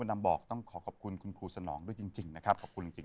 ด้วยความรักด้วยพักดี